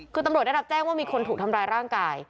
คือตำรวจได้รับแจ้งว่ามีคนถูกทำร้ายร่างกาย